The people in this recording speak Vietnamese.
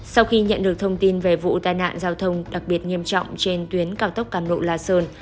sau khi nhận được thông tin về vụ tai nạn giao thông đặc biệt nghiêm trọng trên tuyến cao tốc càm lộ la sơn